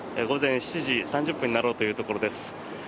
午前７時３０分になろうというところです。